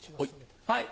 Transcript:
はい。